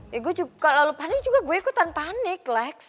ya gue juga kalau lo panik juga gue ikut tanpa panik alex